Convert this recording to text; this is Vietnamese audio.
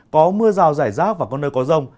có mưa rào rải rác và có nơi có rông